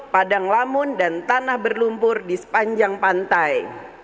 padang lamun dan tanah berlumpur di sepanjang pantai